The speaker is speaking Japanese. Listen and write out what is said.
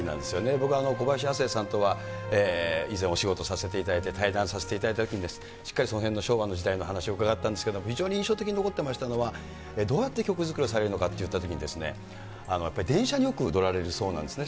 僕は小林亜星さんとは以前、お仕事させていただいて、対談させていただいたときに、しっかりそのへんの昭和の時代の話を伺ったんですけれども、非常に印象的に残ってましたのは、どうやって曲作りをされるのかっていったときに、やっぱり電車によく乗られるそうなんですね。